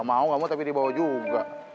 mau gak mau tapi dibawa juga